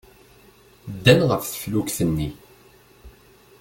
Ddan ɣef teflukt-nni.